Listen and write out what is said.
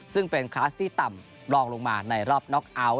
ซึ่งเป็นคลาสที่ต่ำลองลงมาในรอบน็อกเอาท์